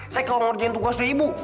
saya kalau ngurjin tugas dari ibu